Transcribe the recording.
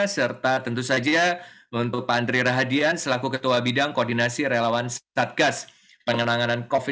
serta tentu saja untuk pak andri rahadian selaku ketua bidang koordinasi relawan satgas penanganan covid sembilan belas